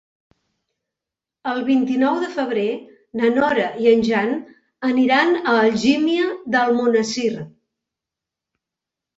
El vint-i-nou de febrer na Nora i en Jan aniran a Algímia d'Almonesir.